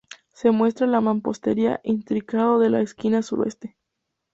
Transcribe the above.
Se muestra la mampostería intrincado de la esquina suroeste.